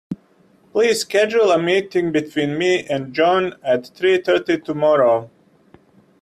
Please schedule a meeting between me and John at three thirty tomorrow.